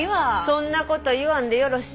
そんな事言わんでよろしい。